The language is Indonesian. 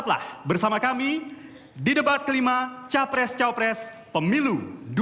tetaplah bersama kami di debat kelima capres capres pemilu dua ribu sembilan belas